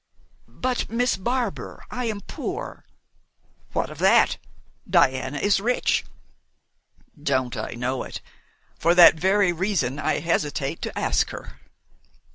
"But, Miss Barbar, I am poor!" "What of that? Diana is rich." "Don't I know it? For that very reason I hesitate to ask her."